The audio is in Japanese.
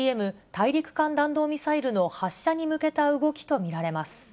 ＩＣＢＭ・大陸間弾道ミサイルの発射に向けた動きと見られます。